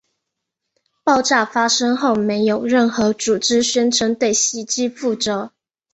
爆炸发生后没有任何组织宣称对袭击负责。